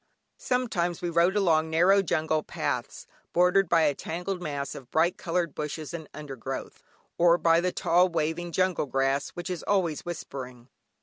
Sometimes we rode along narrow jungle paths, bordered by a tangled mass of bright coloured bushes and undergrowth, or by the tall, waving, jungle grass, which is always whispering.